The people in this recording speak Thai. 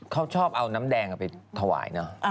เขาชอบเอาน้ำแดงไปถวายเนอะ